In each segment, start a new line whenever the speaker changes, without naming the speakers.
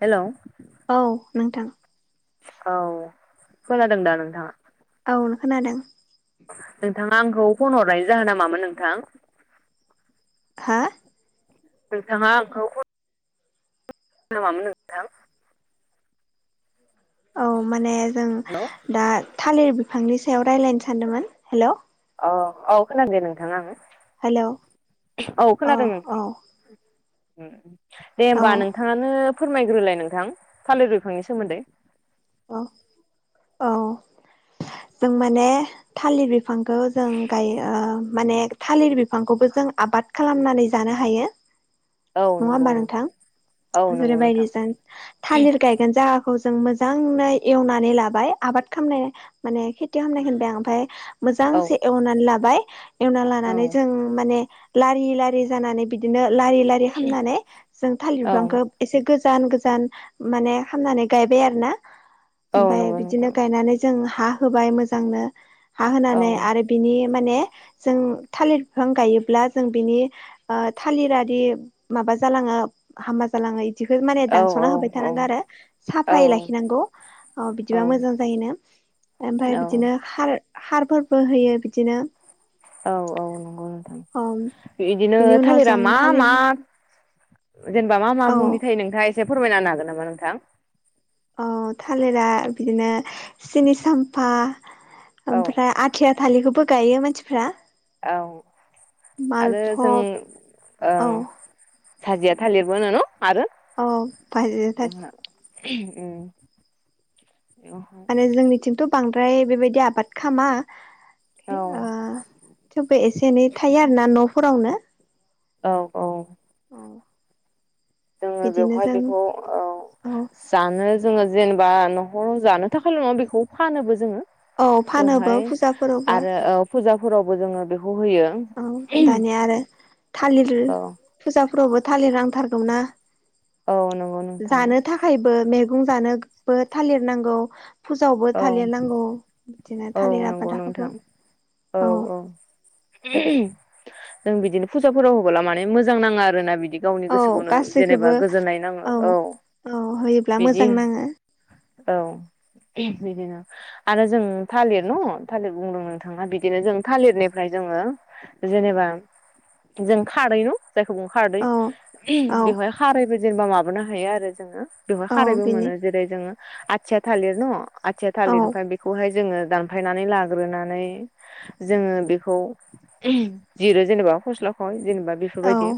Hello
औ नोंथां
औ खोनादों दा नोंथाङा
औ नों खोनादों
नोंथाङा आंखौ फन हरनायनि जाहोना मामोन नोंथां?
हा
नोंथाङा आंखौ फन- [unintelligible] मामोन नोंथां
औ माने जों
हेलौ
दा थालिर बिफांनि सायाव रायलायनो सानदोंमोन हेल'
अ औ खोनादो नोंथां आं
हेलौ
औ खोनादों नोंथां उ दे
औ
होमबा नोंथाङानो फोरमायग्रोलाय नोंथां थालिर बिफांनि सोमोन्दै
अ औ जों माने थालिर बि- फांखौ जों गायो माने थालिर बिफांखौबो जों आबाद खालामनानै जानो हायो
औ
नङा
नंगौ
होमबा नोंथां
नोंथां औ नंगौ
जेरैबायदि
नोंथां
जों थालिर गायगोन जागाखौ जों मोजानो एवनानै लाबाय आबाद खामनानो माने खेथि खामनायखो होनबाय आं ओमफाय
औ
मोजांसे एवनानै लाबाय एवना
औ
लानानै जों माने लारि लारि जानानै बिदि बिदिनो लारि लारि खामनानै जों थालिर
औ
बिफांखौ एसे गो- जान गोजान माने खामनानै गायबाय आरो ना
औ
ओमफाय
नंगौ
बिदिनो
नोंथां
गायनानै जों हा होबाय मोजांनो हा
औ
होनानै आरो बिनि माने जों थालिर बिफां गायोब्ला जों बिनि ओ थालिरादि माबा जालाङो ओ हामा जालाङै इदिखौ माने
औ औ
दानस'ना होबाय
औ
थानांगो आरो
औ
साफायै लाखि- नांगौ औ बिदिबा मोजां जायोनो ओमफ्राय बिदिनो खार खारफोरबो होयो बिदिनो
औ नंगौ नोंथां
अ
बिदिनो
बिनि उनाव
थालिरा
जों
मा मा
थालिर
जेनेबा मा मा
औ
मुंनि थायो नोंथाङा एसे फोरमायना हागोन नामा नोंथां
औ थालिरा बिदिनो सिनि सामफा
औ
ओमफ्राय आथिया थालिखौबो गायो मानसिफ्रा
औ आरो जों
मालभब
ओं
औ
साजिया थालिरबो न आरो
औ भाजिआ थालिर माने
उम
जोंनिथिंथ' बांद्राय बेबायदि आबाद खालामा
औ
ओ थेवबो एसे एनै थायो आरो ना न'फोरावनो
औ औ
औ
जोङो
बिदिनो
बेवहाय
जों
बेखौ औ‌
औ
जानो जोङो जेनेबा न'खराव जानो थाखायल नङा बेखौ फानोबो जोङो
औ फानोबो
बेवहाय
फुजाफोरावबो
आरो औ फुजाफोरावबो जोङो बेखौ होयो
औ दानिया आरो थालिर
औ
फुजा फ्रावबो थालिर नांथारगौ ना
औ नंगौ नोंथां
जानो थाखायबो गं जानोगबो थालिर नांगौ फुजायावबो
औ
थालिर नांगौ बिदिनो
औ
थालिर
नंगौ नोंथां
आबादाखौबो
औ औ जों बिदिनो फुजाफोराव होबोला माने मोजां नाङो आरोना बिदि दि गावनि
औ
गोसोखौनो जेनेबा
गासैखौबो
गोजोननाय नाङो औ
औ होयोब्ला
बिदि
मोजां नाङो
औ बिदिनो आरो जों थालिर न' थालिर बुंदों नोंथाङा बिदिनो जों थालिरनिफ्राय जोङो जेनेबा जों खारै न' जायखौ बुं खारदै
औ औ
बेवहाय खारैबो जेनेबा माबानो हायो आरो जोङो बेवहाय
औ
खारैबो
बिनि
मोनो जेरै जोङो आथिया थालिर न' आथिया
औ
थालिर ओमफ्राय बेखौहाय जोङो दान फायनानै लाग्रोनानै जोङो बेखौ जिरो जेनेबा फस्लाखौ जेनेबा बेफोरबायदि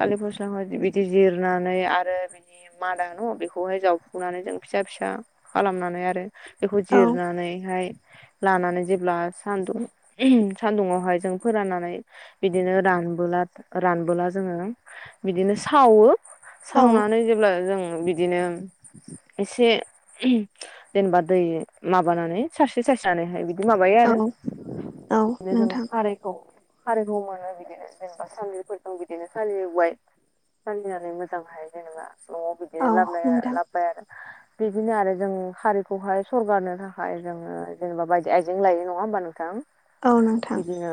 थालिर फस्लाखौहाय बिदि जिरनानै आरो बिनि मादा‌ न' बेखौहाय जावफुंनानै जों फिसा फिसा खालामनानै आरो बेखौ
औ
जिरनानैहाय लानानै जेब्ला सानदुं सान्दुंआवहाय जों फोराननानै बिदिनो रां नबोला रानबोला जोङो बिदिनो सावो
औ
सावनानै जेब्ला जों बिदिनो एसे जेनेबा दै माबानानै सारस्रि सारस्रिनानैहाय बिदि बिदि माबायो
औ
आरो
औ
बिदिनो जों
नोंथां
खारैखौ खारैखौ मोनो बिदिनो जेनेबा सान्द्रिफोर जों बिदिनो सालिबाय सालिनानै मोजांहाय जेनेबा न'आव
औ
बिदिनो लाबना-
नोंथां
लाबोबाय आरो बिदिनो आरो जों खारिखौहाय सरगारनो थाखाय जोङो जेनेबा बायदि आइजें लायो नङा होमबा नोंथां
औ नोंथां
बिदिनो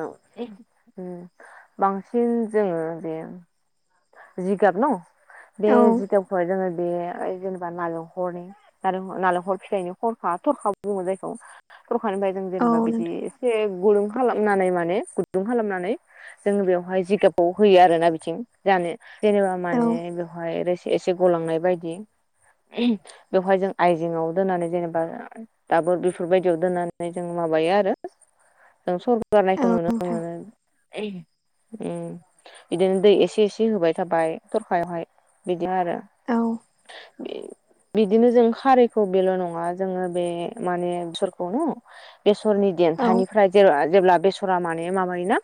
उम बांसिन जोङो बे जिगाब न' बे
औ
जिगाबखौहाय जोङो बे जेनेबा नालेंखरनि नालेंखल नालेंखर फिथायनि हरखा थरखा बुङो जायखौ थरखानिफ्राय जों
औ
जेनेबा बिदि
नोंथां
एसे गुदुं खालामनानै माने गुदुं खालामनानै जोङो बेवहाय जिगाबखौ होयो आरोना बिथिं जानो जेनेबा माने
औ
बेवहाय रोसि एसे गलांनाय बायदि बेवहाय जों आयजेङआव दोननानै जेनेबा दाबो बेफोरबायदियाव दोननानै जों माबायो आरो जों सरगारनायखौ
औ
नुनो
नोंथां
मोनो उम बिदिनो दै एसे एसे होबाय थाबाय थरखायावहाय बिदि आरो
औ
बिदिनो जों खारिखौ बेल' नङा जोङो बे माने बेसरखौनो न' बेसरनि
औ
देन्थानिफ्राय जेराव जेब्ला बेसरा माने माबायोना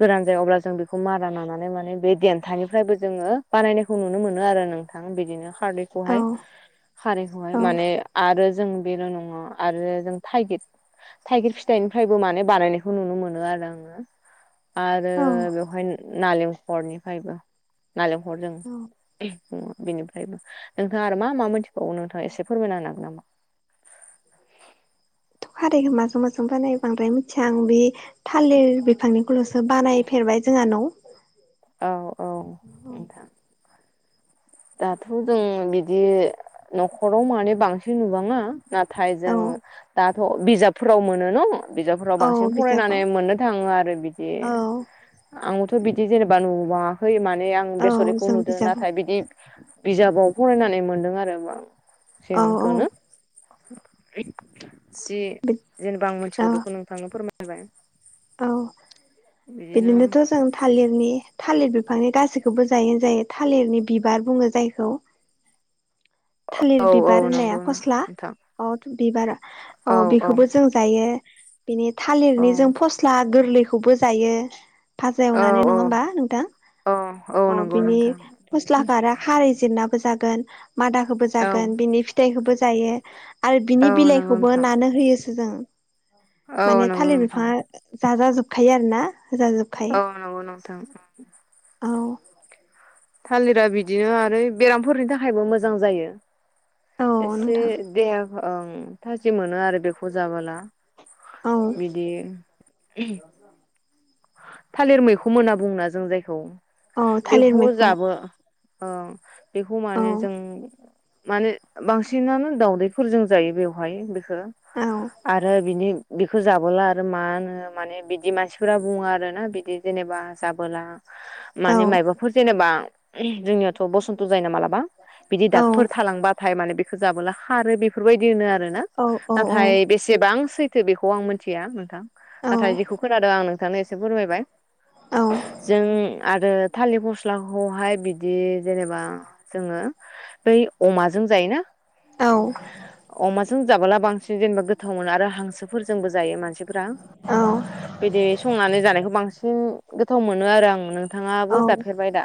गोरान जायो अब्ला जों बेखौ मारा नानानै माने बे देन्थानिफ्रायबो जों जोङो बानायनायखौ नुनो मोनो आरो नोंथां बिदिनो खारैखौहाय खारैखौहाय
औ
माने आरो जों बेल' नङा आरो जों थाइगिर थाइगिर फिथाइनिफ्रायबो माने बानायनायखौ नुनो मोनो आरो आङो आरो
औ
बेवहाय नालेंखरनिफ्रायबो नालेंखर जों ओ बेनिफ्रायबो नोंथाङा आरो मा मा मोनथिबावो नोंथां एसे फोरमायना होनो हागोन नामा
खारैखौ माजों माजों बानायो बांद्राय मिथिया आं बे थालिर बेखौ बिफांनिखौल'सो बानायफेरबाय जोंहा नाव
औ औ नोंथां । दाथ' जों बिदि न'खराव माने बांसिन नुबाङा नाथाय
औ
जों दाथ' बिजाबफोराव मोनो न' बिजाबफोराव
औ
बांसिन
बिजाबाव
फरायनानै मोननो थाङो आरो बिदि
औ
आंबोथ' बिदि जेनेबा नुबांङाखै माने आं
औ
बेसरनिखौ
जों
नुदों
बिजाबाव
नाथाय बिदि बिजाबाव फरायनानै मोनदों आरो
औ औ
बांसिनखौनो जि जेनेबा आं मिथिगौ
औ
बेखौ नोंथांनो फोरमायना होबाय ।
औ बिदिनोथ' जों थालिरनि थालिर बिफांनि गासैखौबो जायो जायो थालिरनि बिबार बुङो जायखौ थालिर
औ औ
बिबार होननाया
नंगौ
फस्ला
नोंथां
अ बिबार औ बेखौबो जों जायो । बिनि
औ
थालिरनि जों फस्ला गोरलैखौबो जायो । भाजा एवनानै नङा होमबा नोंथां
औ औ
अ
नंगौ
बिनि
नोंथां
फस्लाखौ आरो खारै जिरनाबो जागोन मादाखौबो
औ
जागोन बिनि फिथाइखौबो जायो । आरो बिनि
औ नंगौ
बिलाइखौबो
नोंथां
नानो होयोसो जों
औ
माने
नंगौ
थालिर
नोंथां
बिफाङा जाजा जोबखायो आरोना
औ नंगौ नोंथां
होजाजोबखायो औ
थालिरा बिदिनो आरो बेरामफोरनि थाखायबो मोजां जायो
औ
एसे
नोंथां
देहाखौबो थाजिम मोनो आरो बेखौ जाबोला
औ
बिदि उहो थालिर मैखुम होनना बुंङोना जों जायखौ
औ थालिर
बेखौ
मैखं
जाबो औ बेखौ
औ
माने जों माने बांसिनानो दावदैफोरजों जायो बेवहाय बेखौ
औ
आरो बिनि बिखौ जाबोला आरो मा होनो माने बिदि मानसिफोरा बुङो आरो ना बिदि जेनेबा जाबोला
औ
मानिे मायबाफोर जेनेबा जोंनियाथ' बसन्त जायो ना मालाबा बिदि
औ
डाक्टर थालांबाथाय माने बेखौ जाबोला खारो बेफोरबायदि होनो आरो आरोना
औ औ
नाथाय बेसेबां सै थो बेखौ आं मिथिया नोंथां नाथाय
औ
जेखौ खोनादों आं नोंथांनो एसे फोरमायबाय
औ
जों आ आरो थालिर फस्लाखौहाय बिदि जेनेबा जोङो बै अमाजों जायो ना
औ
अमाजों जाबोला बांसिन जेनेबा गोथाव मोनो आरो हांसोफोरजोंबो जायो मानसि फ्रा
औ
बिदि संनानै जानायखौ बांसिन गोथाव मोनो आरो आं नोंथाङाबो
औ
जाफेरबाय दा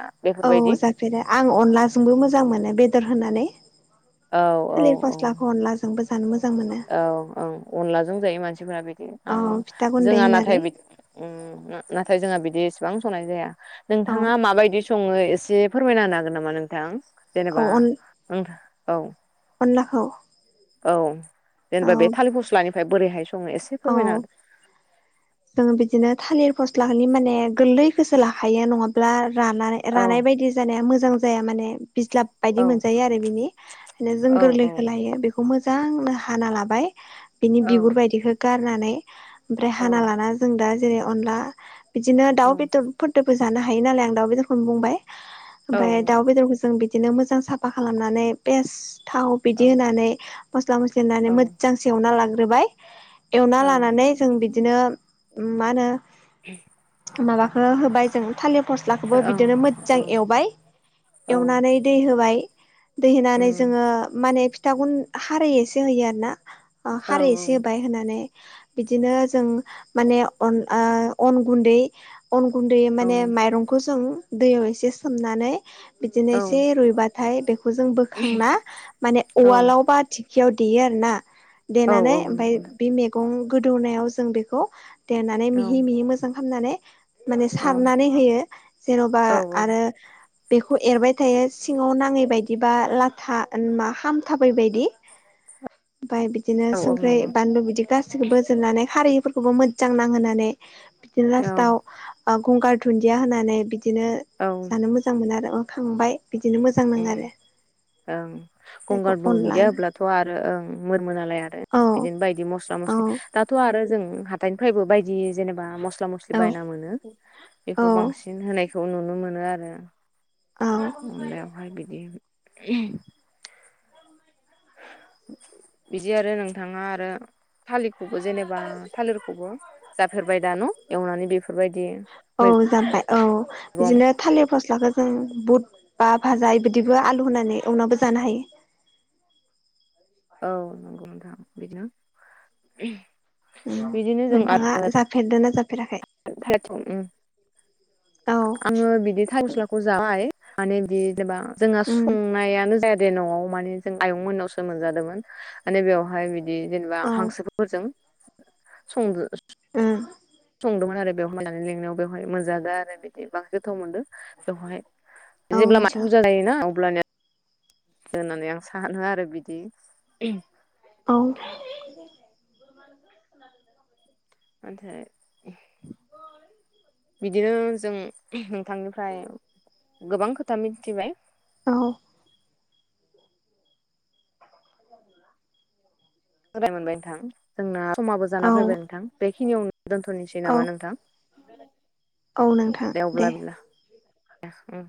औ
बेफोरबायदि
जाफेरो आं अनलाजोंबो मोजां मोनो बेदर होनानै
औ औ
थालिर फस्लाखौ अनलाजोंंबो
औ औ अनलाजों जायो मानसिफोरा बे
औ फिथा गुन्दै
जोंहा नाथाय
होनानै
नाथाय जोंहा बिदि इसेबां संनाय जाया ।
औ
नोंथाङा माबायदि सङो एसे फोरमायना होनो हागोन नामा नोंथां
औ
जेनेबा
अन
औ
अनलाखौ
औ
औ
जेनेबा बे थालिर फस्लानिफ्राय बोरैहाय सं
औ जोङो बिदिनो थालिर फस्थ लानि माने गोरलैखौसो लाखायो नङाब्ला राना
औ
रानाय बायदि जानाया मो मोजां जाया माने। बिज्लाब
औ
बायदि मोनजायो आरो बिनिनो जों
औ औ
गोरलैखौ लायो बेखौ मोजांनो हाना लाबाय। बिनि
औ
बिगुर बायदिखौ गारनानै ओमफ्राय
औ
हाना लाना जों दा जेरै अनला। बिदिनो
औ
दाउ बेदरफोरदबो जानो हायो नालाय आं दाउ बेदरखौनो बुंबाय ओमफाय
औ
दाउ बेदरखौ जों। बिदिनो मोजां साफा खालामनानै पेस। थाव
औ
बिदि होनानै मस्ला मस्लि होनानै मोजां सेवना लाग्रोबाय। एवना
औ ओं
लानानै जों बिदिनो मा होनो।
[unintelligible]
माबाखौ होबाय जों थालिर फस्लाखौबो
औ
बिदिनो मोजां
उम
एवबाय। एवनानै दै होबाय दै होनानै जोङो माने थागुन खारै एसे होयो आरो ना ओ
औ
खारै एसे होबाय होननानै बिदिनो जों माने अन ओ अन गुन्दै। अन गुन्दै माने
औ
माइरंखौ जों दैयाव एसे सोमनानै बिदिनो एसे रुइबाथाय बेखौ जों बोखांना माने उवालावबा थि खियाव देयो आर ना देनानै ओमफफ्राय बे मैगं गोदौनायाव जों बेखौ। देनानै मिहि मिहि मोजां खामनानै। माने
औ
सारनानै होयो जेन'बा
औ नंगौ नोंथां औ
आरो। बेखौ एरबाय थायो सिङाव नाङै बायदि बा लाथा मा खामथाबै बायदि। [inaudible] ओमफाय बिदिनो
औ औ
संख्रि
नंगौ
बानलु बिदि गासैखौबो होजोबनानै खारैफोरखौबो मोजां नांहोनानै। बिदिनो
औ
लास्टाव ओ गंगार दुन्दिया होनानै बिदिनो
औ
जानो मोजां मोनो आरो अ। खांबाय। बिदिनो मोजां नाङो
उम
आरो।
ओं
जायखौ
गंगार
अनला
दुन्दिया होब्लाथ' आरो ओं मोरमोन नालाय आरो
औ
बिदिनो बाय। बिदि मस्ला
औ
मस्लि दाथ आरो जों हाथायनिफ्राय बायदि जेनेबा मस मस्ला मस्लि
औ
बायना मोनो बेखौ बांसिन होनायखौ नुनो मोनो आरो।
औ
अ लहाय बिदि बिदि आरो नोंथाङा आरो थालि खौबो जेनेबा थालिरखौबो जाफेरबाय दा न' एवनानै? बेफोरबायदि
औ जामबाय औ
मैगं
बिदिनो थालिर फस्लाखौ जों बुथ बा भाजा इबदिबो आलु होनानै एवनावाबो जानो हायो।
औ नंगौ नोंथां बिदिनो।
हायो
बिदिनो जों
नोंथाङा जाफेरदों ना जाफेराखै
[unintelligible]
औ
आङो बिदि थाइ गस्लाखौ जाबाय माने बिदि जेनेबा जोंहा
उम
संनायानो जाया न'आव माने जों आयंमोननावसो मोनजादोंमोन ।माने बेवहाय बिदि बिदि जेनेबा
औ
हांसोफोरजों संदो।
उम
संदोंमोन आरो बेवहायनानै लेंनायाव बेवहाय मोनजादा आरो बिदि बां गोथाव मोन्दों। बेवहाय
औ
जेब्ला मानसे
नोंथां
बुरजा जायोना अब्लानिया। होननानै आं सानो आरो बिदि।
औ।
नाथाय बिदिनो जों नोंथांनिफ्राय गोबां खोथा मिथिबाय।
औ। [unintelligible]
माय मोनबाय नोंथां जोंना समाबो जाना फैबाय नोंथां बेखिनियावनो दोनथ'नोसै
औ
नामा नोंथां?
औ नोंथां
दे अब्ला बि दे उम।